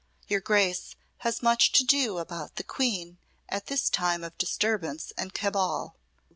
Your Grace has much to do about the Queen at this time of disturbance and cabal.